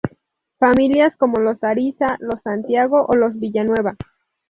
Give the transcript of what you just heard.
Familias como los Ariza, los Santiago o los Villanueva.